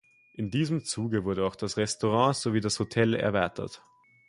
In diesem Zuge wurden auch das Restaurant sowie das Hotel erweitert.